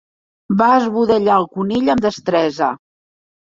Va esbudellar el conill amb destresa.